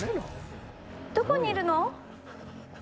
どこにいるの？